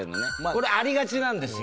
これありがちなんですよ。